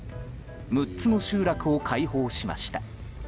６つの集落を解放しました。